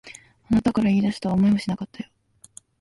あなたから言い出すとは思いもしなかったよ。